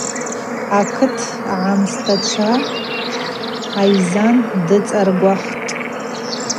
Акыт агӏмыстачва айззан дыцӏаргвахтӏ.